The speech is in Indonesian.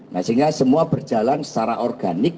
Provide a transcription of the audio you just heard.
nah sehingga semua berjalan secara organik